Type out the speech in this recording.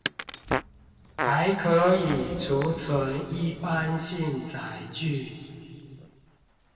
還可以儲存一般性載具